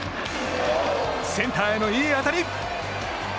センターへのいい当たり！